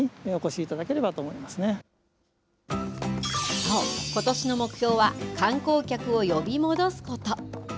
そう、ことしの目標は、観光客を呼び戻すこと。